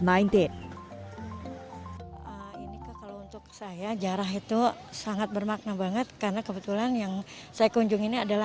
mainti untuk saya jarak itu sangat bermakna banget karena kebetulan yang saya kunjungi adalah